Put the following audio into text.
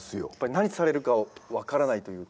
何されるか分からないというか。